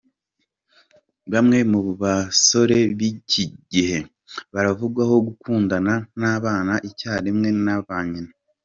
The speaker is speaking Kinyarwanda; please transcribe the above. Bamwe mu basore b’iki gihe baravugwaho gukundana n’abana icyarimwe na ba nyina.